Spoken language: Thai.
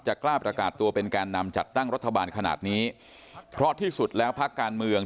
กล้าประกาศตัวเป็นแกนนำจัดตั้งรัฐบาลขนาดนี้เพราะที่สุดแล้วพักการเมือง